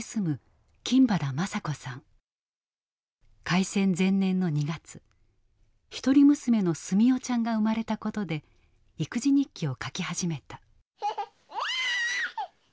開戦前年の２月一人娘の住代ちゃんが生まれたことで育児日記を書き始めた。